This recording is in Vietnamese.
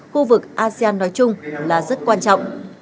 khu vực asean nói chung là rất quan trọng